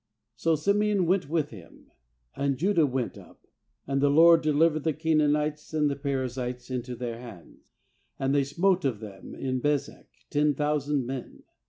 So Simeon went with him. 4And Judah w6nt up; and the LORD de livered the Canaanites and the Periz zites into their hand; and they smote of them m Bezek ten thousand men.